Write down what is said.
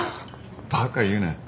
バカ言うなよ。